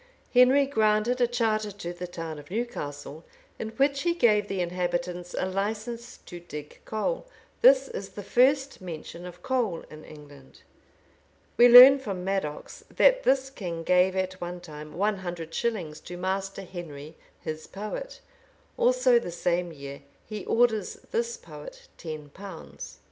[*] Henry granted a charter to the town of Newcastle, in which he gave the inhabitants a license to dig coal. This is the first mention of coal in England. We learn from Madox,[] that this king gave at one time one hundred shillings to Master Henry, his poet; also the same year he orders this poet ten pounds.